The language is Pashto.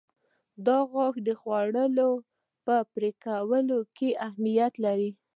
دا غاښه د خوړو په پرې کولو کې اهمیت لري.